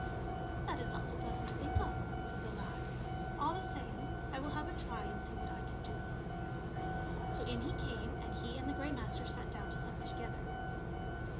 " That is not so pleasant to think of," said the lad ;" all the same, I will have a try and see what I can do." So in he came, and he and the Grey Master sat down to supper together.